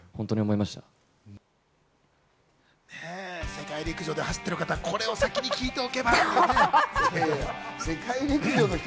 世界陸上で走ってるから、これを先に聞いておけばね。